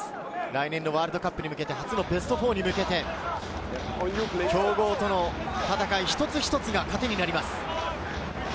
来年のワールドカップに向けて、初のベスト４に向けて、強豪との戦い、一つ一つが糧になります。